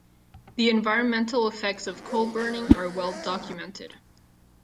The environmental effects of coal burning are well documented.